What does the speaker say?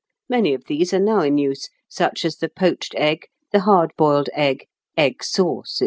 Many of these are now in use, such as the poached egg, the hard boiled egg, egg sauce, &c.